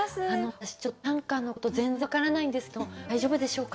私ちょっと短歌のこと全然分からないんですけども大丈夫でしょうか？